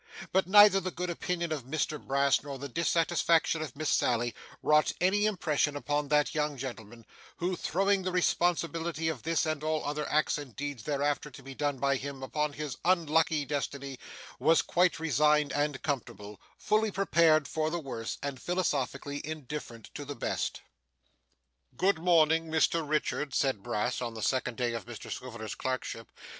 But neither the good opinion of Mr Brass, nor the dissatisfaction of Miss Sally, wrought any impression upon that young gentleman, who, throwing the responsibility of this and all other acts and deeds thereafter to be done by him, upon his unlucky destiny, was quite resigned and comfortable: fully prepared for the worst, and philosophically indifferent to the best. 'Good morning, Mr Richard,' said Brass, on the second day of Mr Swiveller's clerkship.